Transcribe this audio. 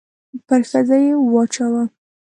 پر ښځې يې واچاوه.